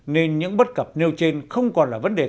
nên những bất cập nêu trên không còn là vấn đề